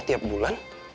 terus ada pembahasan juga